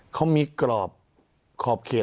เขามีกรอบขอบเขต